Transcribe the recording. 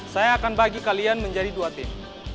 saya akan bagi kalian menjadi dua tim